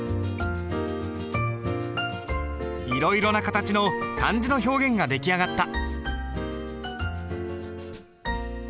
いろいろな形の漢字の表現が出来上がった。